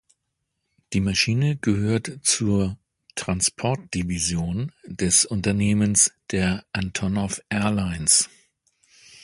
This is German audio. Die Maschine gehört zur "Transport Division" des Unternehmens, der Antonov Airlines.